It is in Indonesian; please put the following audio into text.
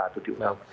itu di uu